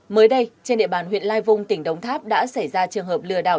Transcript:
mới đây trên địa bàn huyện lai vung tỉnh đống tháp đã xảy ra trường hợp lừa đảo